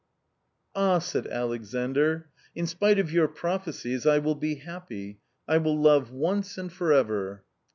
Ah !" said Alexandr, " in spite of your prophecies, I will be happy, I will love once and for ever."